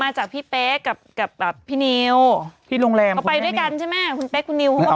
มาจากพี่เป๊กกับกับแบบพี่นิวพี่โรงแรมเอาไปด้วยกันใช่ไหม